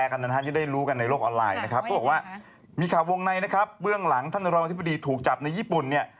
พูดว่ามีข่าววงในนะครับเรื่องหลังท่านรองอธิบดีถูกจับในญี่ปุ่นเนี่ย